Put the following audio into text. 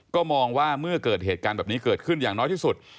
ก็มองว่าเมื่อเกิดเหตุการณ์แบบนี้เกิดขึ้นอย่างน้อยที่สุด